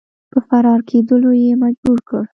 په فرار کېدلو یې مجبور کړ.